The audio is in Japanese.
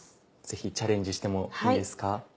ぜひチャレンジしてもいいですか？